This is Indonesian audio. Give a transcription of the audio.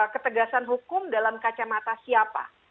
ketegasan hukum dalam kacamata siapa